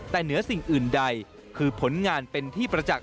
แต่เหนือสิ่งอื่นใดคือผลงานเป็นที่ประจักษ